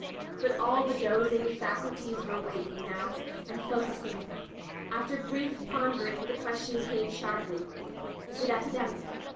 But all the dozing faculties were waking now, and focusing. After brief pondering the ques tion came sharply. "Is it epidemic?"